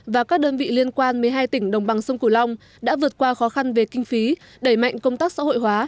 và các đơn vị liên quan một mươi hai tỉnh đồng bằng sông cửu long đã vượt qua khó khăn về kinh phí đẩy mạnh công tác xã hội hóa